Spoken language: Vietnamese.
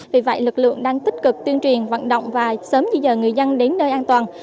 vì vậy lực lượng đang tích cực tiên truyền vận động và sớm như giờ người dân đến nơi an toàn